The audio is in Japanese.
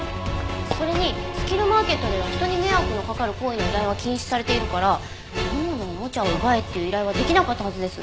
それにスキルマーケットでは人に迷惑のかかる行為の依頼は禁止されているから「斧のおもちゃを奪え」っていう依頼はできなかったはずです。